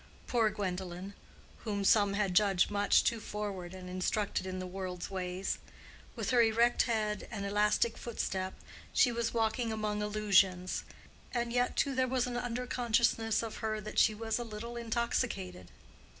Poor Gwendolen, whom some had judged much too forward and instructed in the world's ways!—with her erect head and elastic footstep she was walking among illusions; and yet, too, there was an under consciousness of her that she was a little intoxicated.